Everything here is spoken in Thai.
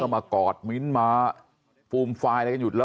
แล้วก็มากอดมิ้นท์ม้าฟูลมไฟล์อะไรกันอยู่